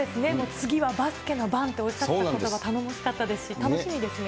次はバスケの番っておっしゃってたことが頼もしかったですし、楽しみですね。